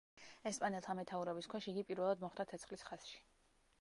ესპანელთა მეთაურობის ქვეშ, იგი პირველად მოხვდა ცეცხლის ხაზში.